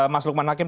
mas lukman hakim